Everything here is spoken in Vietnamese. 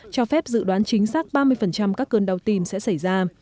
cho phép dự đoán chính xác ba mươi các cơn đau tim sẽ xảy ra